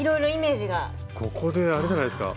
ここであれじゃないですか。